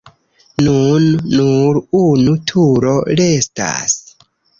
Nun nur unu turo restas.